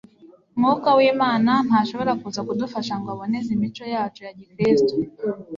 mwuka w'imana ntashobora kuza kudufasha ngo aboneze imico yacu ya gikristo